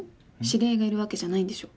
知り合いがいるわけじゃないんでしょ？